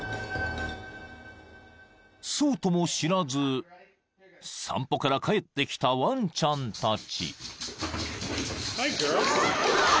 ［そうとも知らず散歩から帰ってきたワンちゃんたち］